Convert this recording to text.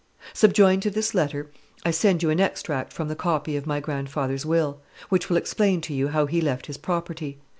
"Subjoined to this letter I send you an extract from the copy of my grandfather's will, which will explain to you how he left his property.